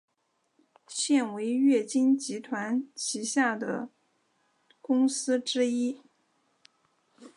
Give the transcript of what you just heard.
现为乐金集团旗下的公司之一。